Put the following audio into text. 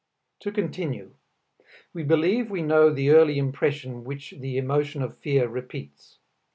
To continue: We believe we know the early impression which the emotion of fear repeats.